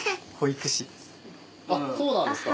あっそうなんですか。